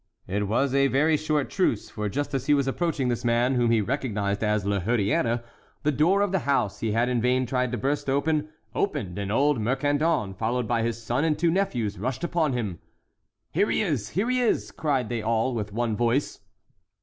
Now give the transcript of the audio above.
It was a very short truce, for just as he was approaching this man, whom he recognized as La Hurière, the door of the house he had in vain tried to burst in, opened, and old Mercandon, followed by his son and two nephews, rushed upon him. "Here he is! here he is!" cried they all, with one voice.